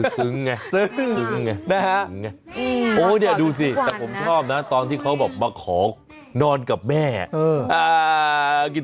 สึงไงสึงไงสึงไง